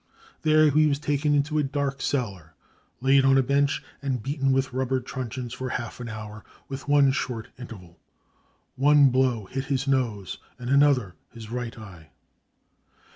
There he was taken into a dark cellar, laid on a bench, and beaten with rubber truncheons for half an hour, with one short interval. One blow hit his nose, and another his right eye."